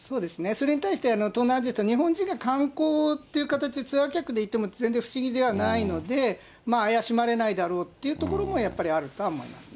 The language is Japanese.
それに対して、東南アジアですと、日本人が観光という形で、ツアー客で行っても全然不思議じゃないので、怪しまれないだろうっていうところもやっぱりあるとは思いますね。